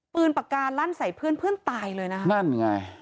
ปืนปากกาลั่นใส่เพื่อนตายเลยนะนั่นไง